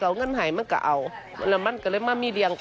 โรงพยาบาลกุมภาวะปีไม่ใช่เวลาเที่ยว